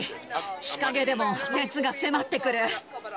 日陰でも熱が迫ってくる。